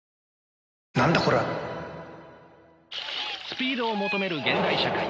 スピードを求める現代社会。